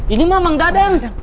ini mah menggadang